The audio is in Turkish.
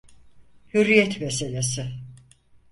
Hürriyet meselesi...